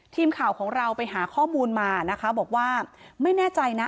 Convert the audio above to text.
ทีมข่าวของเราไปหาข้อมูลมานะคะบอกว่าไม่แน่ใจนะ